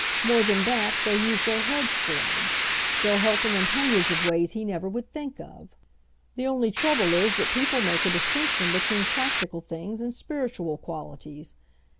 More than that, they'll use their heads for him. They'll help him in hundreds of ways he never would think of. "The only trouble is that people make a dis tinction between practical things and spiritual qualities.